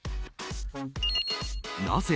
なぜ？